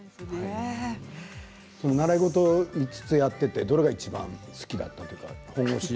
習い事を５つやっていてどれがいちばん好きでしたか？